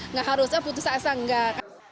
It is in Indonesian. nggak harusnya putus asa enggak